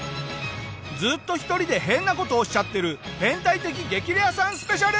ずっと１人で変な事をしちゃってる変態的激レアさんスペシャル！